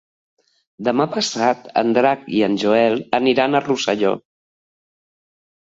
Demà passat en Drac i en Joel aniran a Rosselló.